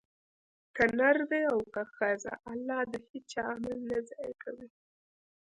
که نر دی او که ښځه؛ الله د هيچا عمل نه ضائع کوي